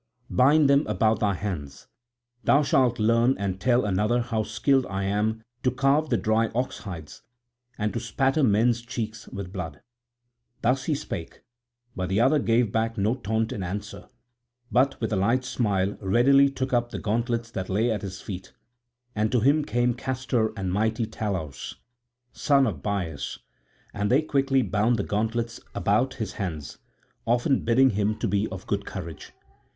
Bind them about thy hands; thou shalt learn and tell another how skilled I am to carve the dry oxhides and to spatter men's cheeks with blood." Thus he spake; but the other gave back no taunt in answer, but with a light smile readily took up the gauntlets that lay at his feet; and to him came Castor and mighty Talaus, son of Bias, and they quickly bound the gauntlets about his hands, often bidding him be of good courage.